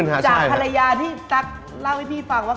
เพราะฉะนั้นถ้าใครอยากทานเปรี้ยวเหมือนโป้แตก